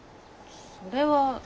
それは。